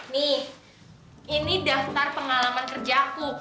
nih ini daftar pengalaman kerja aku